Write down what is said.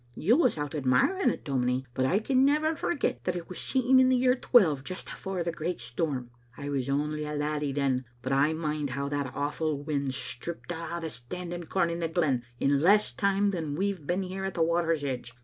You was out admiring it, dominie, but I can never forget that it was seen in the year twelve just afore the great storm. I was only a laddie then, but I mind how that awful wind stripped a* the standing com in the glen in less time than we've been here at the water's edge.